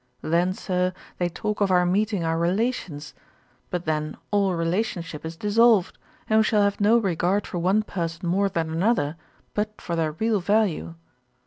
Then, Sir, they talk of our meeting our relations: but then all relationship is dissolved; and we shall have no regard for one person more than another, but for their real value.